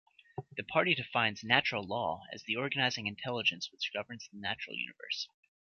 The party defines "natural law" as the organizing intelligence which governs the natural universe.